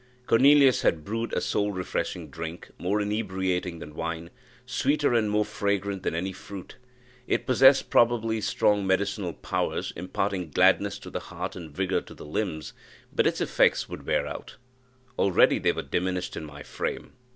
Cornelius had brewed a soul refreshing drink more inebriating than wine sweeter and more fragrant than any fruit: it possessed probably strong medicinal powers, imparting gladness to the heart and vigour to the limbs; but its effects would wear out; already they were diminished in my frame.